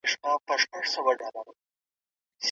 مېرمن بايد د خاوند بد اخلاقي ونه زغمي.